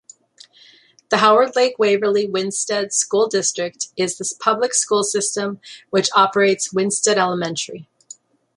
The Howard Lake-Waverly-Winsted school district is the public school system which operates Winsted Elementary.